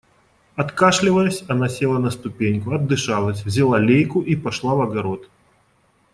Откашливаясь, она села на ступеньку, отдышалась, взяла лейку и пошла в огород.